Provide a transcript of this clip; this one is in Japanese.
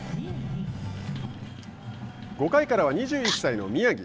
５回からは、２１歳の宮城。